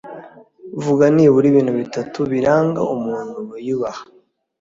Vuga nibura ibintu bitatu biranga umuntu wiyubaha?